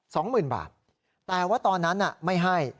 สองหมื่นบาทแต่ว่าตอนนั้นน่ะไม่ให้